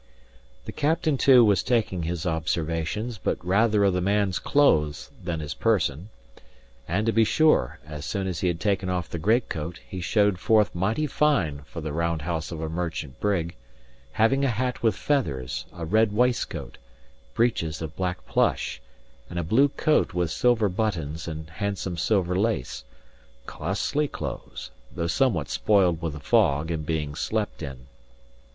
The captain, too, was taking his observations, but rather of the man's clothes than his person. And to be sure, as soon as he had taken off the great coat, he showed forth mighty fine for the round house of a merchant brig: having a hat with feathers, a red waistcoat, breeches of black plush, and a blue coat with silver buttons and handsome silver lace; costly clothes, though somewhat spoiled with the fog and being slept in.